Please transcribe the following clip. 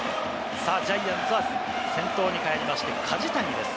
さぁジャイアンツは先頭にかえりまして、梶谷です。